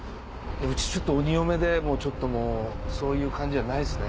うちちょっと鬼嫁でそういう感じじゃないですね。